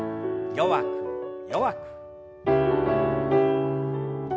弱く弱く。